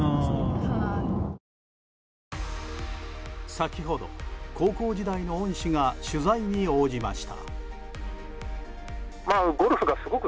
先ほど、高校時代の恩師が取材に応じました。